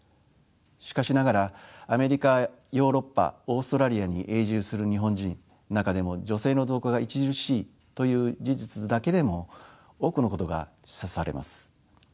しかしながらアメリカヨーロッパオーストラリアに永住する日本人中でも女性の増加が著しいという事実だけでも多くのことが示唆されます。